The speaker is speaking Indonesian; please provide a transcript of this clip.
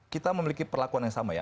kita memiliki perlakuan yang sama ya